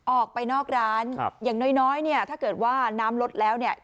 ออกไปนอกร้านครับอย่างน้อยน้อยเนี่ยถ้าเกิดว่าน้ำลดแล้วเนี่ย